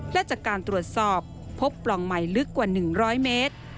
และจากการตรวจสอบพบปล่องใหม่ลึกกว่า๑๐๐เมตร